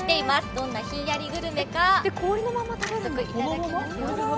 どんなひんやりグルメか、早速いただきますよ。